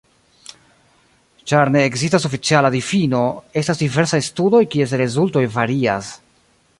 Ĉar ne ekzistas oficiala difino, estas diversaj studoj kies rezultoj varias.